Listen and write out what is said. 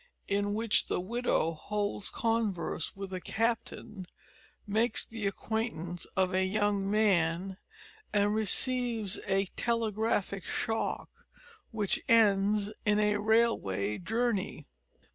IN WHICH THE WIDOW HOLDS CONVERSE WITH A CAPTAIN, MAKES THE ACQUAINTANCE OF A YOUNG MAN, AND RECEIVES A TELEGRAPHIC SHOCK, WHICH ENDS IN A RAILWAY JOURNEY.